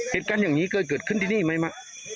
เหตุการณ์อย่างนี้เคยเกิดขึ้นที่นี่ไหมมะ